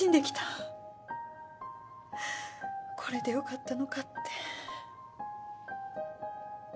これでよかったのかって。